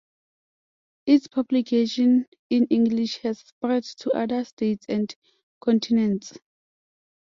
Its publication in English has spread to other states and continents.